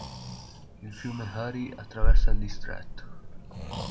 Il fiume Hari attraversa il distretto.